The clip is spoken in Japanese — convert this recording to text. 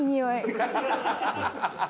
ハハハハ！